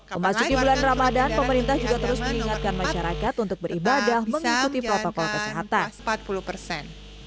memasuki bulan ramadan pemerintah juga terus mengingatkan masyarakat untuk beribadah mengikuti protokol kesehatan